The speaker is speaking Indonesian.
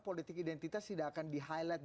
politik identitas tidak akan di highlight